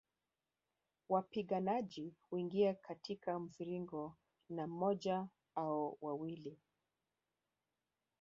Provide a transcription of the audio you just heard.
Wapiganaji huingia katika mviringo na moja au wawili